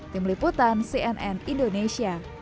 tim liputan cnn indonesia